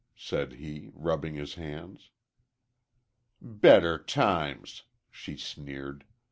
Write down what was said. said he, rubbing his hands. "Better times!" she sneered.